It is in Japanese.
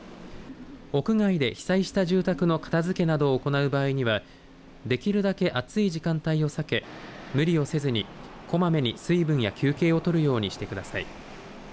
屋外で被災した住宅の片づけなどを行う場合にはできるだけ暑い時間帯を避け無理をせずに、こまめに水分や休憩を取るようにしてください。